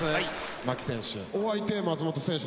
牧選手